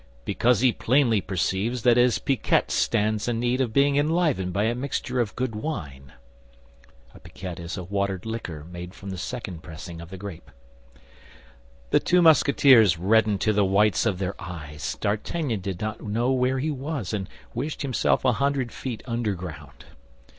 "Because he plainly perceives that his piquette* stands in need of being enlivened by a mixture of good wine." * A watered liquor, made from the second pressing of the grape. The two Musketeers reddened to the whites of their eyes. D'Artagnan did not know where he was, and wished himself a hundred feet underground.